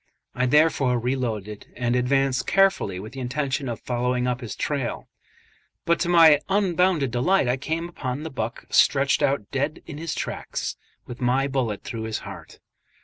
I therefore re loaded, and advanced carefully with the intention of following up his trail; but to my unbounded delight I came upon the buck stretched out dead in his tracks, with my bullet through his heart.